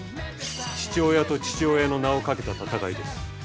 父親と父親の名をかけた戦いです。